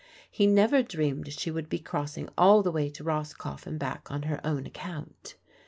He never dreamed she would be crossing all the way to Roscoff and back on her own account.